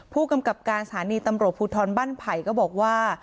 ผู้กำกับการสถานีตำรวจภูทรบ้านไผ่ก็บอกว่า